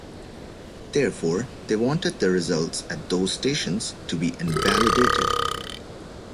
Therefore, they wanted the results at those stations to be invalidated.